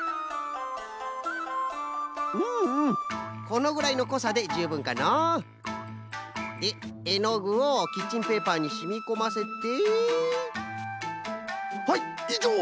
うんうんこのぐらいのこさでじゅうぶんかの。でえのぐをキッチンペーパーにしみこませてはいいじょう